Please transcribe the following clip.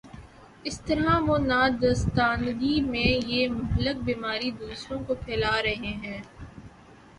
اس طرح وہ نادانستگی میں یہ مہلک بیماری دوسروں کو پھیلا رہے ہیں۔